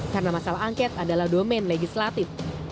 karena masalah angket adalah domain legislatif